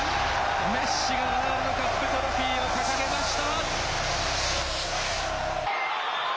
メッシがワールドカップトロフィーを掲げました。